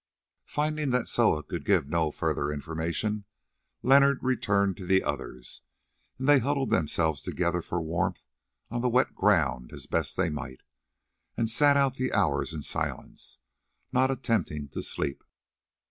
Finding that Soa could give no further information, Leonard returned to the others, and they huddled themselves together for warmth on the wet ground as best they might, and sat out the hours in silence, not attempting to sleep.